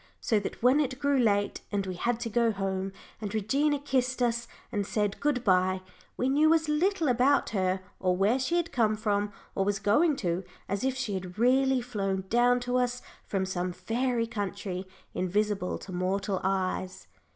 So that when it grew late and we had to go home, and Regina kissed us and said good bye, we knew as little about her, or where she had come from or was going to, as if she had really flown down to us from some fairy country invisible to mortal eyes.